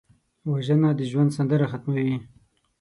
وژنه د ژوند سندره ختموي